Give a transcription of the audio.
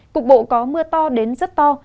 cục bộ có mưa to đến rất to